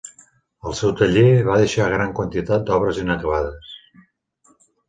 Al seu taller, va deixar gran quantitat d'obres inacabades.